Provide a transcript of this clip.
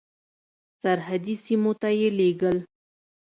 سرحدي سیمو ته یې لېږل.